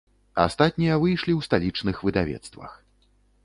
Астатнія выйшлі ў сталічных выдавецтвах.